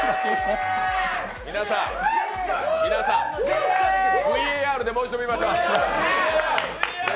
皆さん、皆さんＶＡＲでもう一度見ましょう。